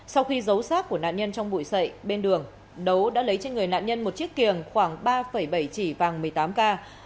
sau khi giấu sát của nạn nhân trong bụi sậy bên đường đấu đã lấy trên người nạn nhân một chiếc kiềng khoảng ba bảy chỉ vàng một mươi tám k